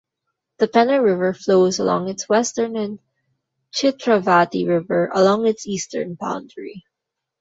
The Penner River flows along its western and Chitravati river along its eastern boundary.